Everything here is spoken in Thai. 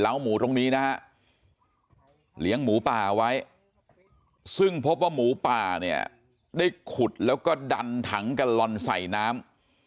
หมูตรงนี้นะฮะเลี้ยงหมูป่าไว้ซึ่งพบว่าหมูป่าเนี่ยได้ขุดแล้วก็ดันถังกัลลอนใส่น้ำ